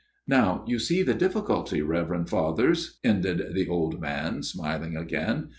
" Now you see the difficulty, Reverend Fathers," ended the old man, smiling again.